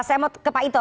saya mau ke pak ito